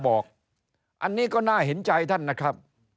บอกอันนี้ก็น่าเห็นใจท่านนะครับ